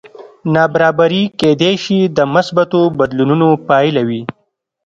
نابرابري کېدی شي د مثبتو بدلونونو پایله وي